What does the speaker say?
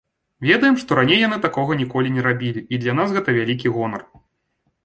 Ведаем, што раней яны такога ніколі не рабілі, і для нас гэта вялікі гонар.